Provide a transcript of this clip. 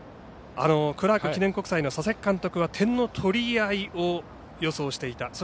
クラーク記念国際の佐々木監督は点の取り合いを予想していた。